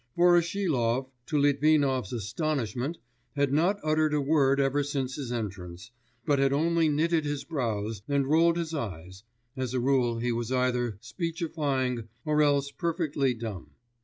Voroshilov, to Litvinov's astonishment, had not uttered a word ever since his entrance, but had only knitted his brows and rolled his eyes (as a rule he was either speechifying or else perfectly dumb).